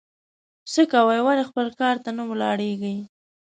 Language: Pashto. څه کوې ؟ ولي خپل کار ته نه ولاړېږې؟